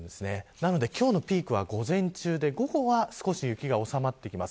なので今日のピークは午前中で午後は少し雪が収まってきます。